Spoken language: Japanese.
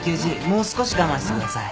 もう少し我慢してください。